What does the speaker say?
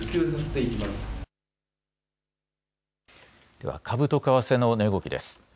では株と為替の値動きです。